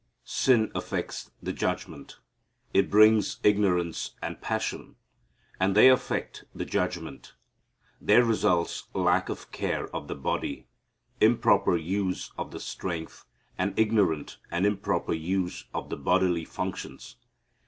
Sin affects the judgment. It brings ignorance and passion, and they affect the judgment. There results lack of care of the body, improper use of the strength, and ignorant and improper use of the bodily functions.